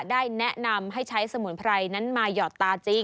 ได้แนะนำให้ใช้สมุนไพรนั้นมาหยอดตาจริง